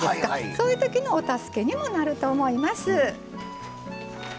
そういう時のお助けにもなると思います。